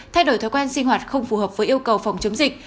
thay đổi thói quen sinh hoạt không phù hợp với yêu cầu phòng chống dịch